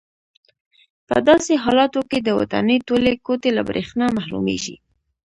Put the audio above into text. په داسې حالاتو کې د ودانۍ ټولې کوټې له برېښنا محرومېږي.